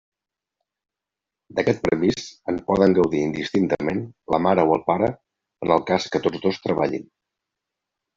D'aquest permís en poden gaudir indistintament la mare o el pare en el cas que tots dos treballin.